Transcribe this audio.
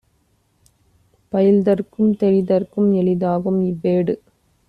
பயில்தற்கும் தெளிதற்கும் எளிதாகும் இவ்வேடு